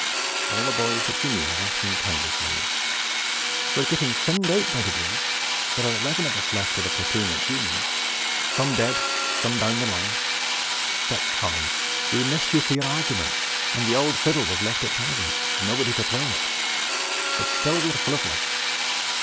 All the boys that you knew are asking kindly for you. We are getting thinned out by degrees. There are 11 of us left of the platoon that you know some dead, some down the line. But Tommy we miss you for your arguments, and the old fiddle was left at Parides, nobody to play it; but still we are full of life.